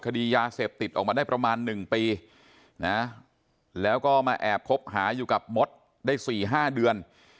คดียาเสพติดออกมาได้ประมาณ๑ปีนะแล้วก็มาแอบคบหาอยู่กับมดได้๔๕เดือน